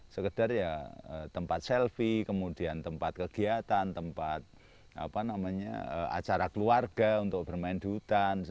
sekedar ya tempat selfie kemudian tempat kegiatan tempat acara keluarga untuk bermain di hutan